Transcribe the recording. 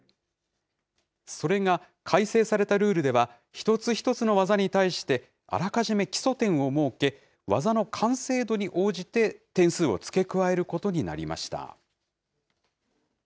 それが改正されたルールでは、一つ一つの技に対して、あらかじめ基礎点を設け、技の完成度に応じて点数を付け加えることになりました。